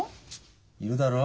いるだろ？